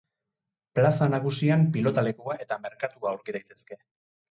Plaza nagusian pilotalekua eta merkatua aurki daitezke.